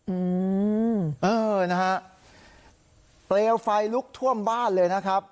อืมเออนะฮะเปลวไฟลุกท่วมบ้านเลยนะครับ